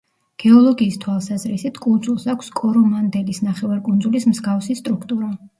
გეოლოგიის თვალსაზრისით კუნძულს აქვს კორომანდელის ნახევარკუნძულის მსგავსი სტრუქტურა.